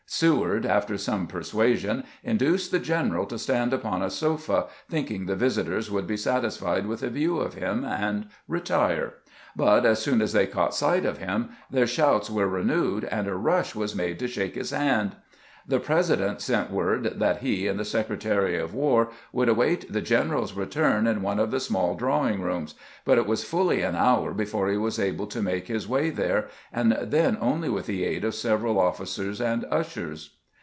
Seward, after some persuasion, induced the general to stand upon a sofa, thinking the visitors would be satisfied with a view of him, and retire ; but as soon as they caught sight of him their shouts were renewed, and a rush was made to shake his hand. The President sent word that he and the Secretary of "War would await the general's return in one of the small drawing rooms, but it was fully an hour before he was able to make his way there, and then only with the aid of several officers and ushers.